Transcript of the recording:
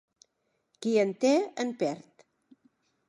Qui en té en perd.